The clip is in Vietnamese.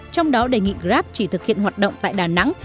trong đó đề nghị grab chỉ thực hiện hoạt động tại đà nẵng